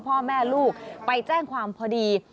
พ่อแม่ลูกไปแจ้งความพอดี